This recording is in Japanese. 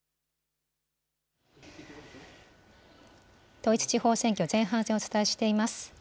統一地方選挙前半戦をお伝えしています。